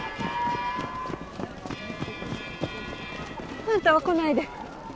あんたは来ないで。